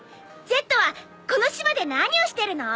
Ｚはこの島で何をしてるの？